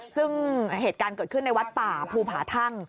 ซึ่งเหตุการณ์เกิดขึ้นในวัดป่าภูผาทั่ง